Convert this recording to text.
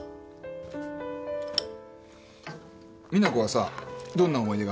実那子はさどんな思い出がある？